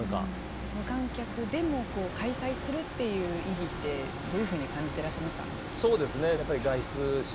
無観客でも開催するっていう意義ってどういうふうに感じてらっしゃいました？